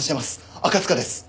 赤塚です。